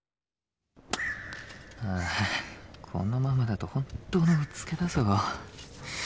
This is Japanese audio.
ああこのままだと本当のうつけだぞ。